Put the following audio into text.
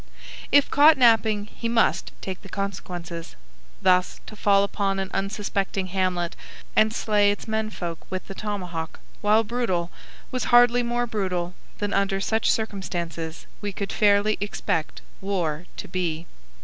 If caught napping he must take the consequences. Thus, to fall upon an unsuspecting hamlet and slay its men folk with the tomahawk, while brutal, was hardly more brutal than under such circumstances we could fairly expect war to be.